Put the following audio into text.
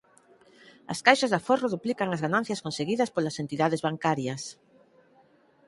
As caixas de aforro duplican as ganancias conseguidas polas entidades bancarias